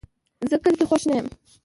زه کلي کې خوښ نه یم